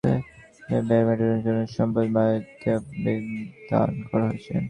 Denmark সরকার বলছে, শরণার্থীদের ব্যয় মেটানোর জন্য সম্পদ বাজেয়াপ্তের বিধান করা হয়েছে।